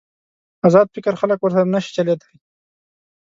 ازاد فکر خلک ورسره نشي چلېدای.